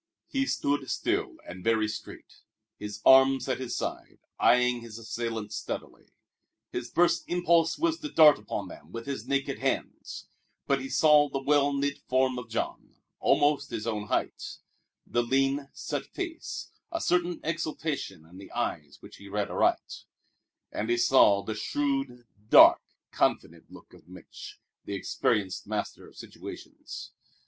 He stood still and very straight, his arms at his sides, eying his assailants steadily. His first impulse was to dart upon them with his naked hands; but he saw the well knit form of Jean, almost his own height, the lean, set face, a certain exultation in the eyes which he read aright; and he saw the shrewd, dark, confident look of Mich', the experienced master of situations.